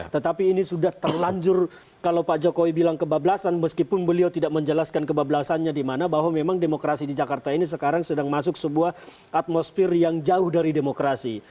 tetapi ini sudah terlanjur kalau pak jokowi bilang kebablasan meskipun beliau tidak menjelaskan kebablasannya di mana bahwa memang demokrasi di jakarta ini sekarang sedang masuk sebuah atmosfer yang jauh dari demokrasi